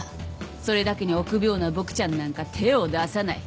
それだけに臆病なボクちゃんなんか手を出さない。